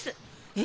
え？